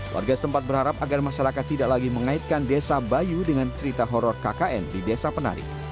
warga setempat berharap agar masyarakat tidak lagi mengaitkan desa bayu dengan cerita horror kkn di desa penari